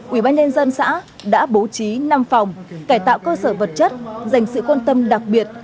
ubnd xã đã bố trí năm phòng cải tạo cơ sở vật chất dành sự quan tâm đặc biệt